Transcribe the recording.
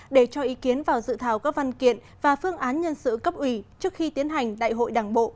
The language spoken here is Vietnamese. để cho ý kiến vào dự thảo các văn kiện và phương án nhân sự cấp ủy trước khi tiến hành đại hội đảng bộ